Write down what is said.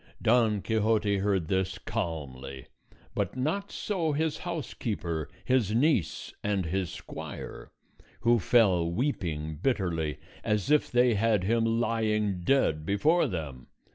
Don Quixote heard this calmly; but not so his housekeeper, his niece, and his squire, who fell weeping bitterly, as if they had him lying dead before them.